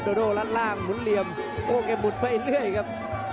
โดรัดล่างหมุนเหลี่ยมโอ้แกหมุดไปเรื่อยครับ